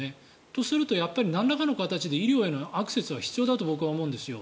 とすると、なんらかの形で医療へのアクセスは必要だと僕は思うんですよ